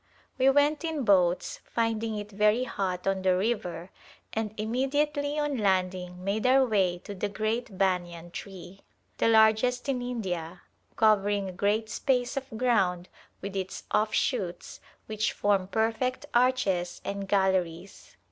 We went in boats, finding it very hot on the river, and immediately on landing made our way to the great banian tree, the largest in India, covering a great space of ground with its off shoots which form perfect arches and galleries.